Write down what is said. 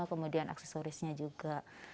kemudian aksesorisnya juga